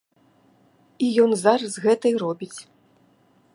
І ён зараз гэта і робіць.